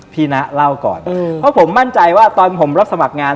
พี่นะเล่าก่อนเพราะผมมั่นใจว่าตอนผมรับสมัครงาน